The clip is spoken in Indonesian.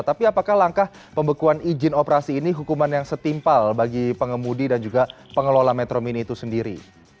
tapi apakah langkah pembekuan izin operasi ini hukuman yang setimpal bagi pengemudi dan juga pengelola metro mini itu sendiri